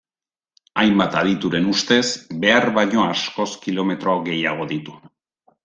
Hainbat adituren ustez, behar baino askoz kilometro gehiago ditu.